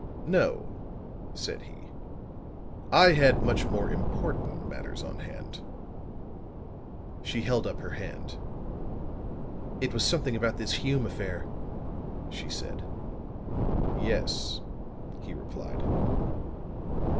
"No," said he, "I had much more important matters on hand." She held up her hand. "It was something about this Hume affair," she said. "Yes," he replied.